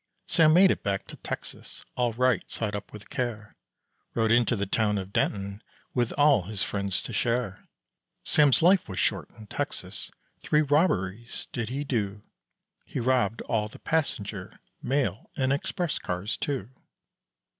Sam made it back to Texas all right side up with care; Rode into the town of Denton with all his friends to share. Sam's life was short in Texas; three robberies did he do, He robbed all the passenger, mail, and express cars too.